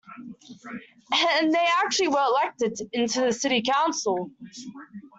And they actually were elected into the city council.